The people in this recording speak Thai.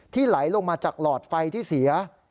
ไหลลงมาจากหลอดไฟที่เสีย